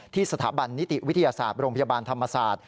สถาบันนิติวิทยาศาสตร์โรงพยาบาลธรรมศาสตร์